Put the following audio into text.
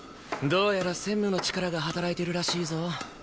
どうやら専務の力が働いてるらしいぞ。